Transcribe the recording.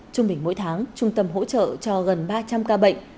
trung bình mỗi tháng trung tâm hỗ trợ cho gần ba trăm linh ca bệnh